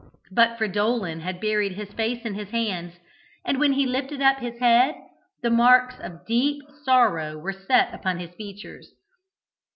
But Fridolin had buried his face in his hands, and when he lifted up his head, the marks of deep sorrow were set upon his features.